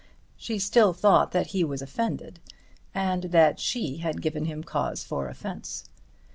She still thought that he was offended and that she had given him cause for offence.